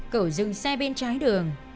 cửu dừng xe bên trái đường